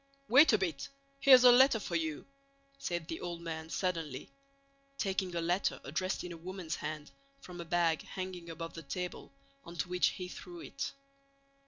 "Wait a bit, here's a letter for you," said the old man suddenly, taking a letter addressed in a woman's hand from a bag hanging above the table, onto which he threw it.